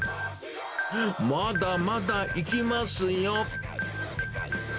まだまだいきますよ。